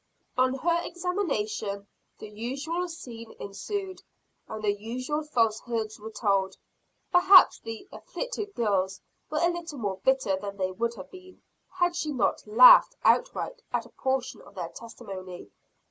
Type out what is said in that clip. On her examination the usual scene ensued, and the usual falsehoods were told. Perhaps the "afflicted girls" were a little more bitter than they would have been, had she not laughed outright at a portion of their testimony.